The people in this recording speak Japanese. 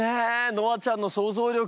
ノアちゃんの想像力。